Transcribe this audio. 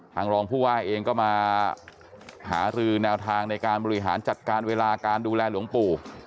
รองผู้ว่าเองก็มาหารือแนวทางในการบริหารจัดการเวลาการดูแลหลวงปู่